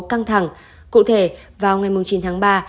căng thẳng cụ thể vào ngày chín tháng ba